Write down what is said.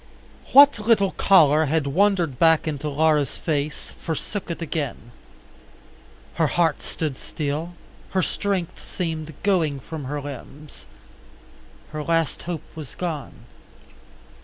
What little color had wandered back into Laura's face forsook it again. Her heart stood still, her strength seemed going from her limbs. Her last hope was gone.